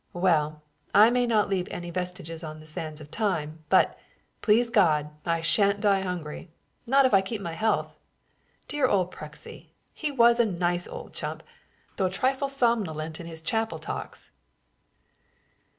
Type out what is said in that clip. Well, I may not leave any vestiges on the sands of time, but, please God, I shan't die hungry, not if I keep my health. Dear old Prexy! He was a nice old chump, though a trifle somnolent in his chapel talks."